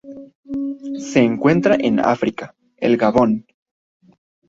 Se encuentran en África: El Gabón.